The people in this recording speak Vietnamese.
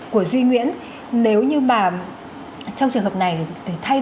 của duy nguyễn nếu như mà trong trường hợp này thì thay